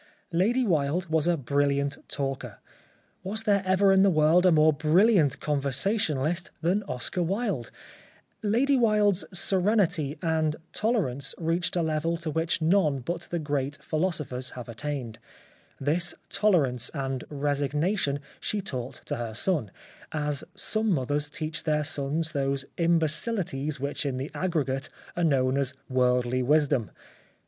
Lady Wilde was a brilliant talker : was there ever in the world a more brilliant conver sationalist than Oscar Wilde ? Lady Wilde's serenity and tolerance reached a level to which none but great philosophers have attained. This tolerance and resignation she taught to her son, as some mothers teach their sons those imbe cilities which in the aggregate are known as worldly wisdom.